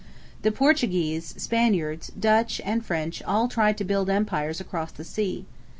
The Portuguese, Spaniards, Dutch, and French all tried to build empires across the sea.